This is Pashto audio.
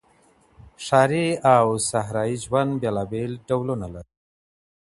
ښاري او صحرايي ژوند بېلابېل ډولونه لري.